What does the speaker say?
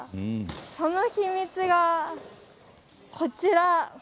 その秘密が、こちら。